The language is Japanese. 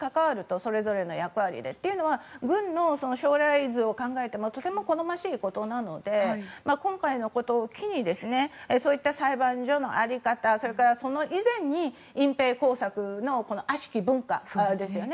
それぞれの役割でというのは軍の将来図を考えてもとても好ましいことなので今回のことを機にそういった裁判所の在り方それから、それ以前に隠ぺい工作のあしき文化ですよね。